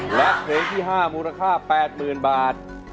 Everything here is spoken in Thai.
และเพลงที่๕มูลค่า๘๐๐๐บาท